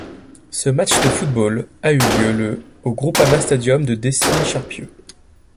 Ce match de football a eu lieu le au Groupama Stadium de Décines-Charpieu.